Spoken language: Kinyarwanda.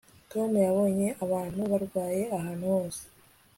tom yabonye abantu barwaye ahantu hose